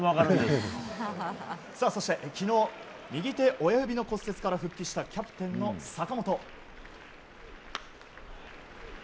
そして昨日、右手親指の骨折から復帰したキャプテン坂本。